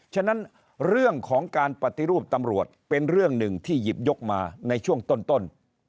ฉะนั้นเรื่องของการปฏิรูปตำรวจเป็นเรื่องหนึ่งที่หยิบยกมาในช่วงต้น